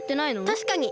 たしかに！